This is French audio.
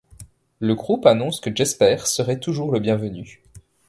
Le groupe annonce que Jesper serait toujours le bienvenu.